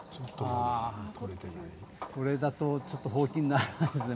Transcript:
ああこれだとちょっとほうきにならないですね。